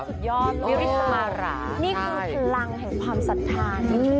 สุดยอดนี่คือพลังแห่งความสัตว์ธรรม